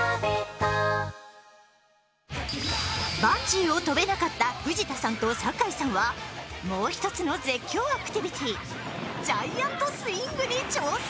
バンジーを飛べなかった藤田さんと酒井さんはもう１つの絶叫アクティビティージャイアントスイングに挑戦。